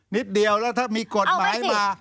นิดเดียวแล้วถ้ามีกฎหมายมา